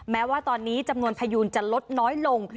แม้ว่าตอนนี้จำนวนพยูนจะลดน้อยลง